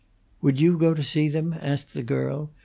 "Would you go to see them?" asked the girl.